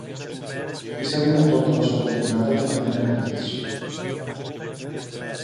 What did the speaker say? Είσαι δυνατότερος από τη γάτα και θα την έπνιγες.